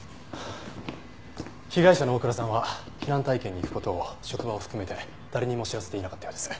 被害者の大倉さんは避難体験に行く事を職場も含めて誰にも知らせていなかったようです。